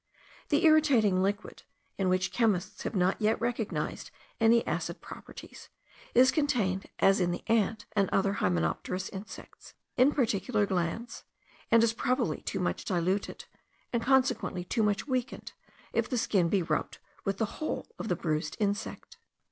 The irritating liquid, in which chemists have not yet recognized any acid properties, is contained, as in the ant and other hymenopterous insects, in particular glands; and is probably too much diluted, and consequently too much weakened, if the skin be rubbed with the whole of the bruised insect.